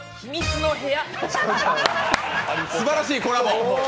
すばらしいコラボ。